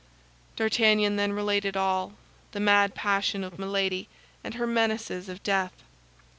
D'Artagnan then related all—the mad passion of Milady and her menaces of death.